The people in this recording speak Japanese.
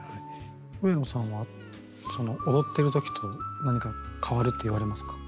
上野さんは踊ってる時と何か変わるって言われますか？